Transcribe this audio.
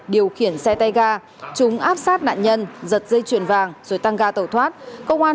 điều khiển xe tay ga chúng áp sát nạn nhân giật dây chuyền vàng rồi tăng ga tẩu thoát công an